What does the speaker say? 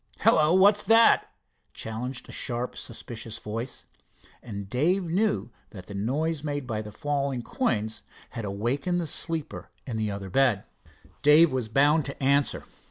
"Hello, what's that?" challenged a sharp suspicious voice, and Dave knew that the noise made by the falling coins had awakened the sleeper in the other bed. Dave was bound to answer.